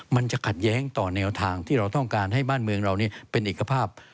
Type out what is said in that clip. มันจะขัดแย้งต่อแนวทางที่เราต้องการให้บ้านเมืองเราเป็นเอกภาพ